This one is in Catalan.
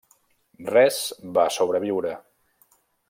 Res va sobreviure.